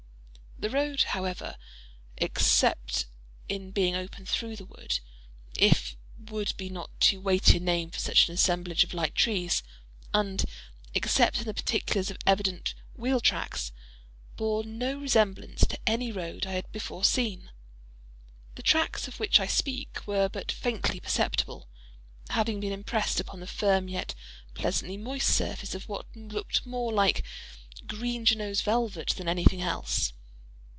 The road, however, except in being open through the wood—if wood be not too weighty a name for such an assemblage of light trees—and except in the particulars of evident wheel tracks—bore no resemblance to any road I had before seen. The tracks of which I speak were but faintly perceptible—having been impressed upon the firm, yet pleasantly moist surface of—what looked more like green Genoese velvet than any thing else.